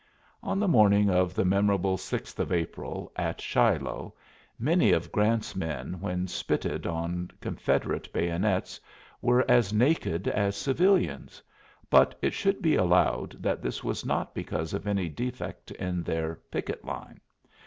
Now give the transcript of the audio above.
On the morning of the memorable 6th of April, at Shiloh, many of Grant's men when spitted on Confederate bayonets were as naked as civilians; but it should be allowed that this was not because of any defect in their picket line.